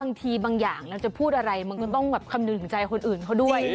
บางทีบางอย่างเราจะพูดอะไรมันก็ต้องแบบคำนึงถึงใจคนอื่นเขาด้วย